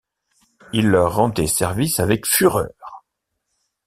Il leur rendait service avec fureur.